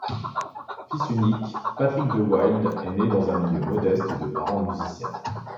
Fils unique, Patrick de Wilde est né dans un milieu modeste de parents musiciens.